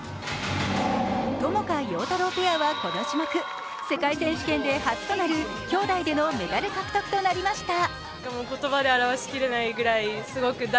友花・陽太郎ペアはこの種目世界選手権で初となるきょうだいでのメダル獲得となりました。